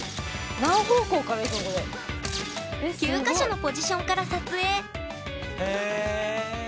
９か所のポジションから撮影。